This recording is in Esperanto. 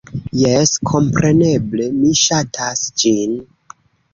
"Jes, kompreneble, mi ŝatas ĝin!